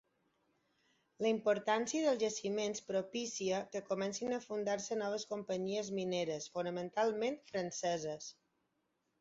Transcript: La importància dels jaciments propícia que comencin a fundar-se noves companyies mineres, fonamentalment franceses.